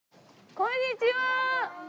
こんにちは。